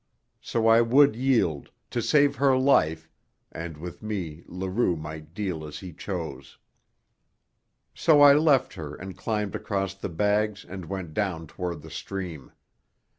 So I would yield, to save her life, and with me Leroux might deal as he chose. So I left her and climbed across the bags and went down toward the stream.